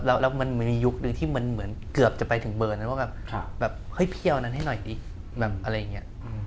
แล้วมันมียุคนึงที่มันเหมือนเกือบจะไปถึงเบอร์นั้นว่าแบบเฮ้ยพี่เอานั้นให้หน่อยดิแบบอะไรอย่างนี้